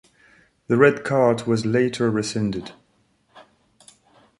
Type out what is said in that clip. The red card was later rescinded.